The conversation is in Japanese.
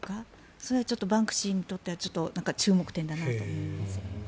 それはちょっとバンクシーにとっては注目点だなと思います。